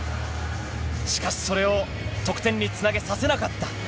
しかし、それを得点につなげさせなかった。